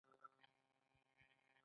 دا ډول اجاره مطلقه اجاره نومېږي